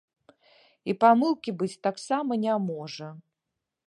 І памылкі быць таксама не можа.